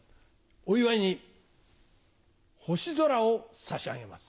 お祝いに星空を差し上げます。